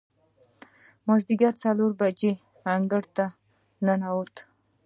د مازدیګر څلور بجې انګړ ته ننوتو.